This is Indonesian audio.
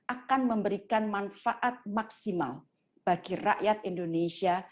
akan memberikan manfaat maksimal bagi rakyat indonesia